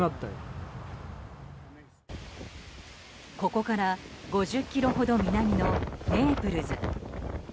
ここから５０ｋｍほど南のネープルズ。